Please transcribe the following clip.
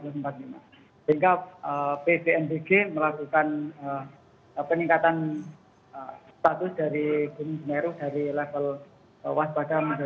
sehingga pt mpg melakukan peningkatan status dari gunung semeru dari level waspada